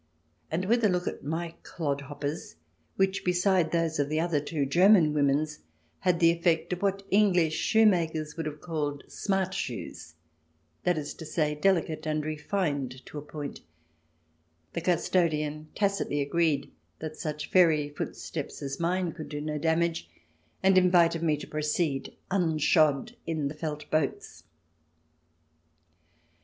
And with a look at my clod hoppers, which, beside those of the other two German women's, had the effect of what English shoemakers would have called "smart" shoes — that is to say, deHcate and refined to a point — the custodian tacitly agreed that such fairy footsteps as mine could do no damage, and invited me to proceed, unshod in the felt boats.